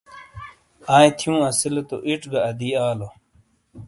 آئی تھیوں اسیلے تو ایڇ گہ آدی آلو۔